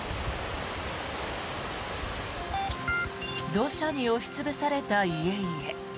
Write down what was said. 土砂に押し潰された家々。